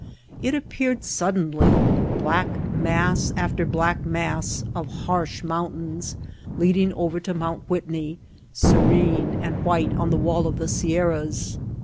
It appeared suddenly, black mass after black mass of harsh mountains leading over to Mt. Whitney, serene and white on the wall of the Sierras.